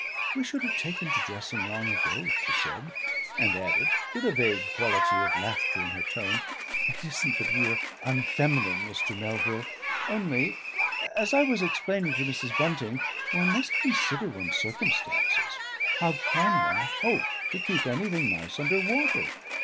"We should have taken to dressing long ago," she said, and added, with a vague quality of laughter in her tone, "it isn't that we're unfeminine, Mr. Melville. Only as I was explaining to Mrs. Bunting, one must consider one's circumstances how can one hope to keep anything nice under water?